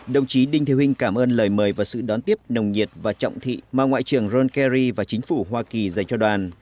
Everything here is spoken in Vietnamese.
đồng chí đinh thị huynh cảm ơn lời mời và sự đón tiếp nồng nhiệt và trọng thị mà ngoại trưởng john kerry và chính phủ hoa kỳ dành cho đoàn